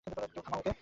কেউ থামাও ওকে!